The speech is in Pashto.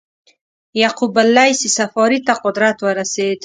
یعقوب اللیث صفاري ته قدرت ورسېد.